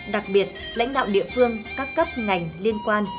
đặc biệt lãnh đạo địa phương các cấp ngành liên quan